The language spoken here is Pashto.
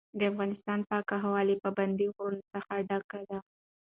د افغانستان پاکه هوا له پابندي غرونو څخه ډکه ده.